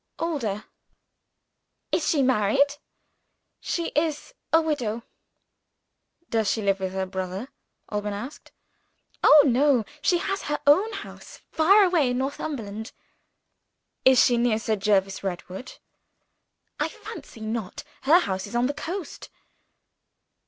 "Older." "Is she married?" "She is a widow." "Does she live with her brother?" Alban asked. "Oh, no! She has her own house far away in Northumberland." "Is she near Sir Jervis Redwood?" "I fancy not. Her house is on the coast."